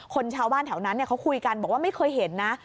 ชาวบ้านแถวนั้นเขาคุยกันบอกว่าไม่เคยเห็นนะ